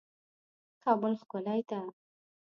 کابل ښکلی ده